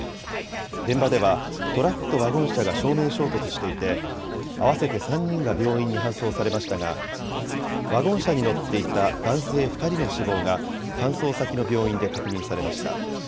現場では、トラックとワゴン車が正面衝突していて、合わせて３人が病院に搬送されましたが、ワゴン車に乗っていた男性２人の死亡が、搬送先の病院で確認されました。